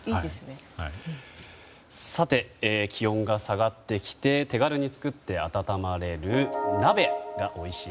気温が下がってきて手軽に作って温まれる鍋がおいしい